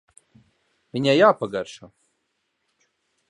Viņai jāpagaršo.